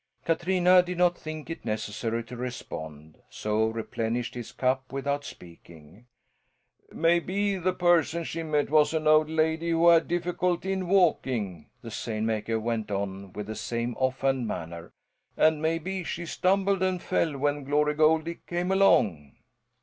Katrina did not think it necessary to respond; so replenished his cup without speaking. "Maybe the person she met was an old lady who had difficulty in walking," the seine maker went on in the same offhand manner, "and maybe she stumbled and fell when Glory Goldie came along."